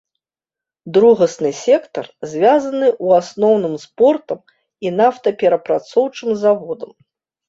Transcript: Другасны сектар звязаны ў асноўным з портам і нафтаперапрацоўчым заводам.